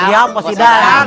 siap bos idan